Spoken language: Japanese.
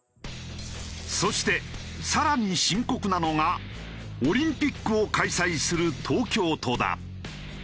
そして更に深刻なのがオリンピックを開催する東京都だ。